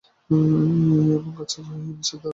এবং গাছের নিচে দাঁড়িয়ে তাঁর মনে হলো, ঘটনাটি এখানে ঘটে নি।